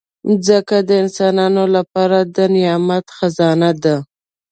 مځکه د انسانانو لپاره د نعمت خزانه ده.